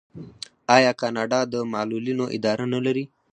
آیا کاناډا د معلولینو اداره نلري؟